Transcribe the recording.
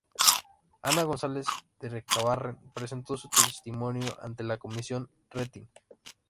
Ana González de Recabarren presentó su testimonio ante la Comisión Rettig.